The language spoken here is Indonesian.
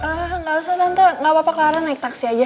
ehm gak usah tante gak apa apa clara naik taksi aja